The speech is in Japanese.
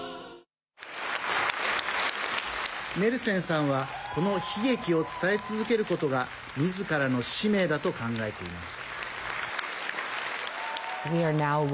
ネルセンさんはこの悲劇を伝え続けることがみずからの使命だと考えています。